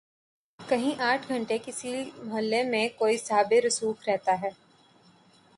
کہیں آٹھ گھنٹے کسی محلے میں کوئی صاحب رسوخ رہتا ہے۔